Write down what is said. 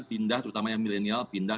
pindah terutama yang milenial pindah